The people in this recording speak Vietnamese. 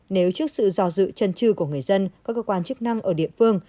nếu trước sự dò dự trần trư của người dân các cơ quan chức năng ở địa phương